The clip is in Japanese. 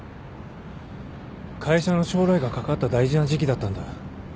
会社の将来がかかった大事な時期だったんだ。